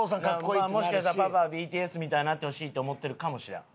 もしかしたらパパはＢＴＳみたいになってほしいって思ってるかもしらん。